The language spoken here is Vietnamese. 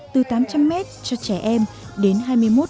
từ tám trăm linh mét cho trẻ em